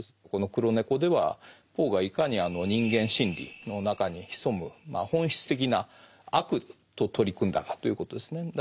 この「黒猫」ではポーがいかに人間心理の中に潜む本質的な悪と取り組んだかということですね。